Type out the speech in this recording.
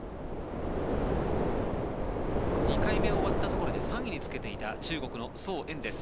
２回目終わったところで３位につけていた中国のソウ・エンです。